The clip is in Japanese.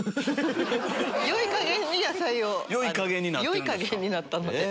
よい加減になったので。